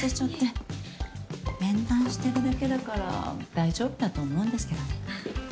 あぁいえ。面談してるだけだから大丈夫だと思うんですけどね。